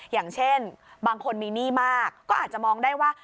อย่างเช่นบางคนมีหนี้มากก็อาจจะมองได้ว่า